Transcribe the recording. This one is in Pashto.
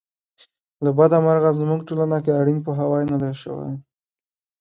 له بده مرغه زموږ ټولنه کې اړین پوهاوی نه دی شوی.